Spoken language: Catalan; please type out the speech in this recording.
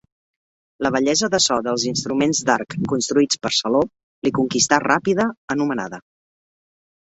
La bellesa de so dels instruments d'arc construïts per Saló li conquistà ràpida anomenada.